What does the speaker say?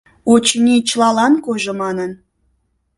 Очыни, чылалан койжо манын.